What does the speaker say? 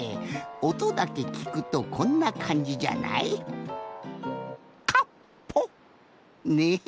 おとだけきくとこんなかんじじゃない？ねえ？